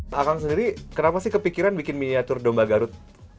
pak kang sendiri kenapa sih kepikiran bikin miniatur domba garut